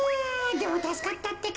でもたすかったってか。